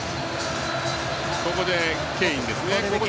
ここで、ケインですね。